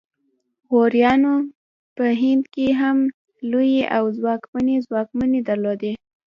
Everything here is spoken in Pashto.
غوریانو په هند کې هم لویې او ځواکمنې واکمنۍ درلودې